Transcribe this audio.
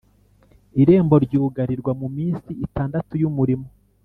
Irembo ryugarirwa mu minsi itandatu y’umurimo